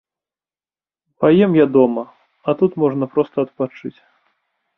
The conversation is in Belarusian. Паем я дома, а тут можна проста адпачыць.